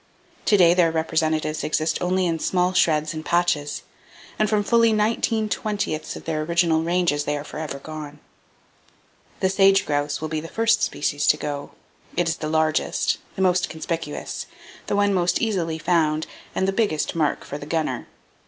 To day their representatives exist only in small shreds and patches, and from fully nineteen twentieths of their original ranges they are forever gone. The sage grouse will be the first species to go. It is the largest, the most conspicuous, the one most easily found, and the biggest mark for the gunner.